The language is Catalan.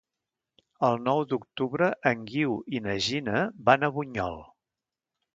El nou d'octubre en Guiu i na Gina van a Bunyol.